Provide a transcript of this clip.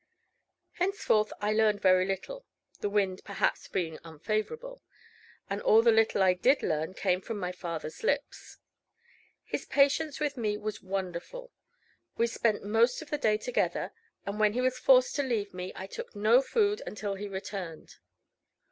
Henceforth I learned very little, the wind, perhaps, being unfavourable; and all the little I did learn came from my father's lips. His patience with me was wonderful; we spent most of the day together, and when he was forced to leave me, I took no food until he returned.